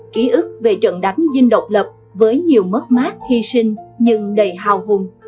ký ức về trận đánh dinh độc lập với nhiều mất mát hy sinh nhưng đầy hào hùng